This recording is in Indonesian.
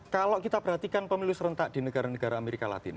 kalau kita perhatikan pemilu serentak di negara negara amerika latin